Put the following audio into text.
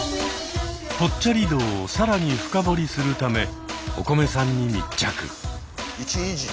ぽっちゃり道を更に深掘りするためおこめさんに密着。